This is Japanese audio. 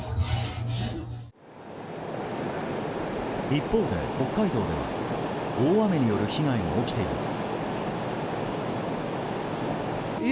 一方で北海道では大雨による被害も起きています。